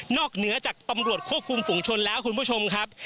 เหนือจากตำรวจควบคุมฝุงชนแล้วคุณผู้ชมครับ